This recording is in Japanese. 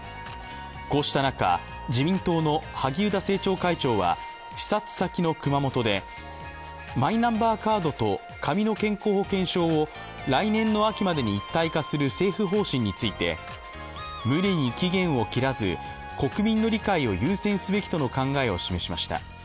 こうした中、自民党の萩生田政調会長は、視察先の熊本でマイナンバーカードと髪の健康保険証を来年の秋までに一体化する政府方針について無理に期限を切らず国民の理解を優先すべきとの考えを示しました。